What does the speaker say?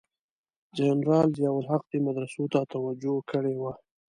جنرال ضیأ الحق دې مدرسو ته توجه کړې وه.